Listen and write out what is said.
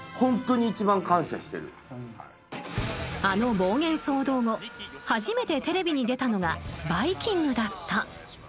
あの暴言騒動後初めてテレビに出たのが「バイキング」だった。